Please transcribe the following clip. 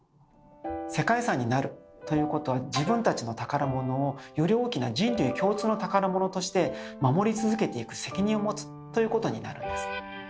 世界遺産になるということは自分たちの宝物をより大きな人類共通の宝物として守り続けていく責任を持つということになるんです。